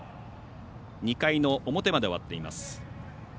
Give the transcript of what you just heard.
２回の表まで終わっています。